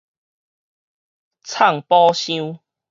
藏寶箱